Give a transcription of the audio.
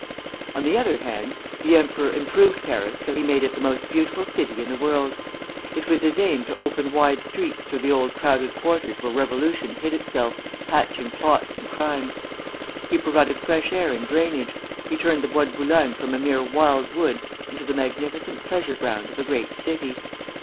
On the other hand, the emperor improved Paris till he made it the most beautiful city in the world. It was his aim to open wide streets through the old crowded quarters where revolution hid itself, hatching plots and crimes. He provided fresh air and drainage. He turned the Bois de Boulogne from a mere wild wood into the magnificent pleasure ground of a great city.